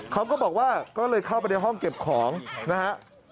เขาก็บอกว่าก็เลยเข้าไปในห้องเก็บของนะฮะ